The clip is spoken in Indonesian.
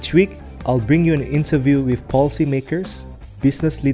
setiap minggu saya akan membawakan anda menjelaskan dengan pembuat kebijakan